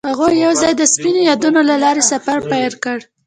هغوی یوځای د سپین یادونه له لارې سفر پیل کړ.